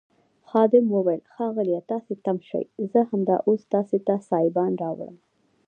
خادم وویل ښاغلیه تاسي تم شئ زه همدا اوس تاسي ته سایبان راوړم.